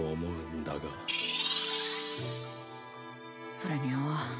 それによ